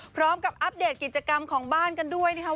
พร้อมกับอัปเดตกิจกรรมของบ้านกันด้วยนี่ค่ะ